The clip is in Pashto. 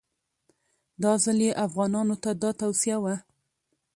دا ځل یې افغانانو ته دا توصیه وه.